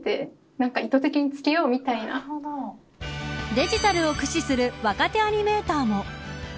デジタルを駆使する若手アニメーターも。